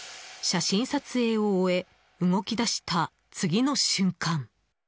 写真撮影を終え動き出した次の瞬間。